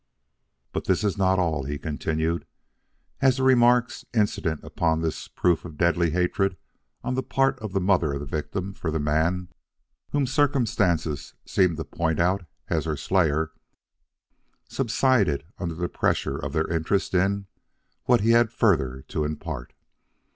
"But this is not all," he continued, as the remarks incident upon this proof of deadly hatred on the part of the mother of the victim for the man whom circumstances seemed to point out as her slayer subsided under the pressure of their interest in what he had further to impart.